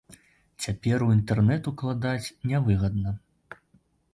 Цяпер у інтэрнэт укладаць нявыгадна.